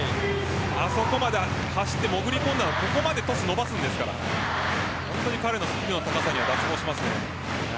あそこまで走って潜り込んでここまでトスを伸ばすんですから本当に彼には脱帽しますね。